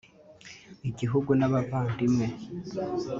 igihugu n’abavandimwe